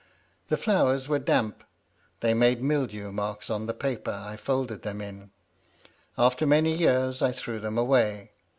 The flowers were damp; they made mildew marks on the paper I folded them in. After many years I threw them away.